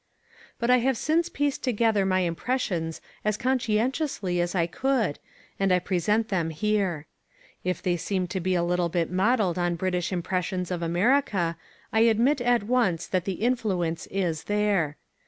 But I have since pieced together my impressions as conscientiously as I could and I present them here. If they seem to be a little bit modelled on British impressions of America I admit at once that the influence is there.